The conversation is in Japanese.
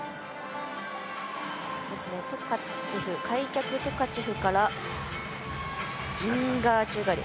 開脚トカチェフからギンガー宙返り